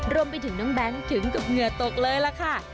รวมไปถึงน้องแบงค์ถึงกับเหงื่อตกเลยล่ะค่ะ